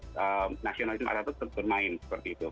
nasionalisme ataturk tetap bermain seperti itu